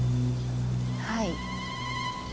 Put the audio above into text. はい。